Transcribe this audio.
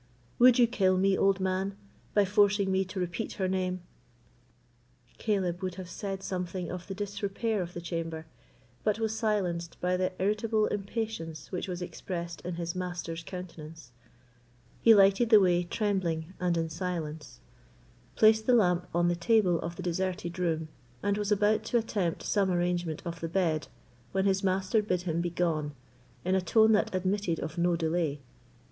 Would you kill me, old man, by forcing me to repeat her name?" Caleb would have said something of the disrepair of the chamber, but was silenced by the irritable impatience which was expressed in his master's countenance; he lighted the way trembling and in silence, placed the lamp on the table of the deserted room, and was about to attempt some arrangement of the bed, when his master bid him begone in a tone that admitted of no delay.